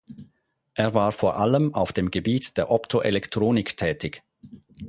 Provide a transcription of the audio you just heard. Er war vor allem auf dem Gebiet der Optoelektronik tätig.